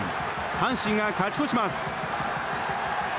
阪神が勝ち越します。